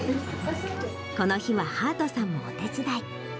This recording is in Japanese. この日は、はあとさんもお手伝い。